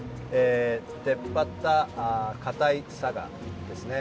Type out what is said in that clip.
出っ張った硬い砂岩ですね。